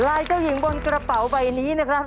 เจ้าหญิงบนกระเป๋าใบนี้นะครับ